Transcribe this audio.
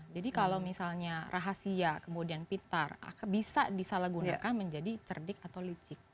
jadi kalau misalnya rahasia kemudian pintar bisa disalahgunakan menjadi cerdik atau licik